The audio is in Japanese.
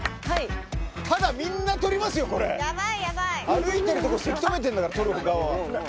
歩いてるとこせき止めてんだから撮る側は。